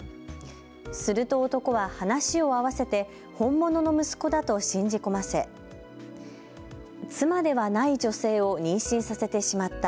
すると男は話を合わせて本物の息子だと信じ込ませ妻ではない女性を妊娠させてしまった。